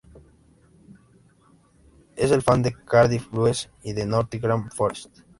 Él es fan de Cardiff Blues y de Nottingham Forest.